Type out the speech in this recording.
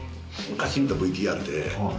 昔見たＶＴＲ？